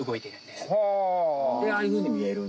でああいうふうにみえるんだ。